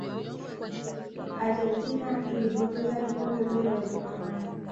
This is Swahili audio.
argentina ilipoteza kikombe mbele ya ujerumani